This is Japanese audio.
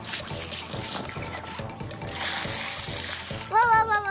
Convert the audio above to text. わわわわ！